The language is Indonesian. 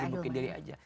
sibukin diri aja